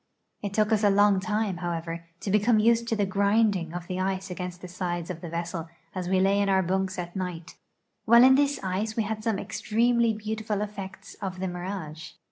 It took us a long time, however, to become used to the grinding of the ice against the sides of the vessel as we lay in our bunks at night. While in this ice we had some extremely beautiful effects of the mirage.